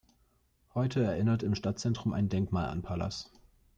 Heute erinnert im Stadtzentrum ein Denkmal an Pallas.